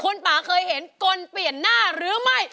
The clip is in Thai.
คุณป่าเคยเห็นกลเปลี่ยนหน้าหรือไม่